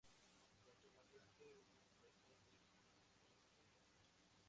Cuanto más grande un corazón es, más lento el latido.